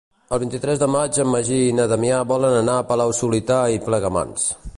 El vint-i-tres de maig en Magí i na Damià volen anar a Palau-solità i Plegamans.